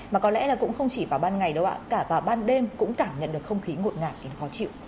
mà có lẽ là cũng không chỉ vào ban ngày đâu ạ cả vào ban đêm cũng cảm nhận được không khí ngộn ngạc và khó chịu